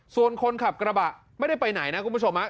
ส่วนคนขับกระบะไม่ได้ไปไหนนะคุณผู้ชม